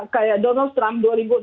kayak donald trump dua ribu enam belas